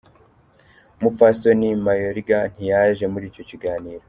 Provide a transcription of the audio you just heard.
Umupfasoni Mayorga ntiyaje muri ico kiganiro.